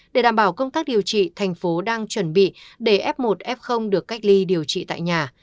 để đảm bảo công tác điều trị thành phố đang chuẩn bị để f một f được cách ly điều trị tại nhà